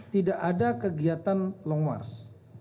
tidak ada kegiatan long march